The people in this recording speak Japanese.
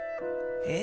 え？